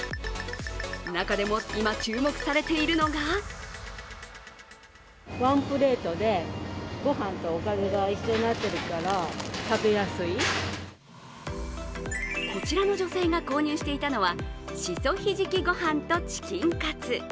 中でも今、注目されているのがこちらの女性が購入していたのは、しそひじきご飯とチキンカツ。